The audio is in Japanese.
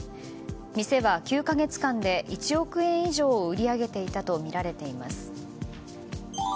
店は９か月間で１億円以上を売り上げていたとみられています。